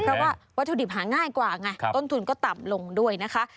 เพราะว่าวัตถุดิบหาง่ายกว่าไงต้นทุนก็ต่ำลงด้วยนะคะ